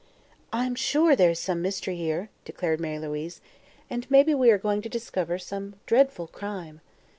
"I'm sure there is some mystery here," declared Mary Louise, "and maybe we are going to discover some dreadful crime."